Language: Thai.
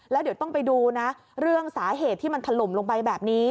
แล้วเดี๋ยวต้องไปดูนะเรื่องสาเหตุที่มันถล่มลงไปแบบนี้